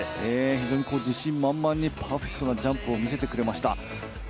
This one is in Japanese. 自信満々でパーフェクトなジャンプを見せてくれました。